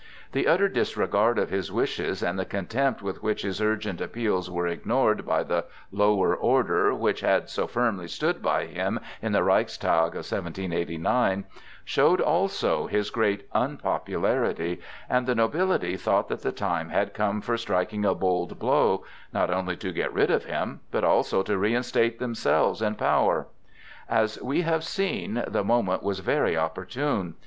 The utter disregard of his wishes and the contempt with which his urgent appeals were ignored by the lower order, which had so firmly stood by him in the Reichstag of 1789, showed also his great unpopularity; and the nobility thought that the time had come for striking a bold blow not only to get rid of him, but also to reinstate themselves in power. As we have seen, the moment was very opportune.